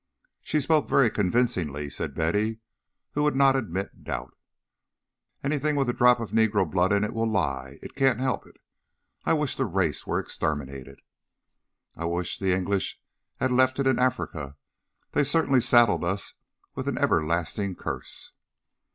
"She spoke very convincingly," said Betty, who would not admit doubt. "Anything with a drop of negro blood in it will lie. It can't help it. I wish the race were exterminated." "I wish the English had left it in Africa. They certainly saddled us with an everlasting curse."